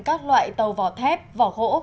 các loại tàu vỏ thép vỏ hỗ